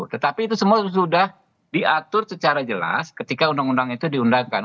tetapi itu semua sudah diatur secara jelas ketika undang undang itu diundangkan